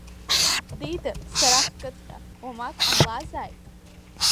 Диида, сара хкыдҟьа, уамак ҟамлазааит.